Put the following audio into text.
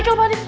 aika pak d